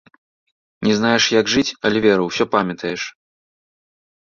Не знаеш, як жыць, але, веру, усё памятаеш.